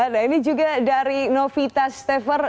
nah ini juga dari novita stefer